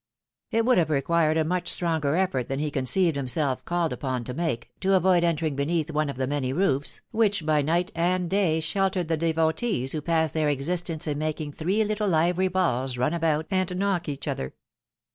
It wonld have required a much stronger effort than he con ceived himself called upon to make, to avoid entering beneath one of the many roofs, which by night and day sheltered the devotees who pass their existence in making three little ivory balls run about and knock each other.